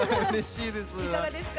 いかがですか？